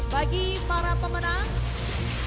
bagi para pemenang